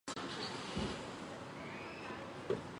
拉卢贝尔人口变化图示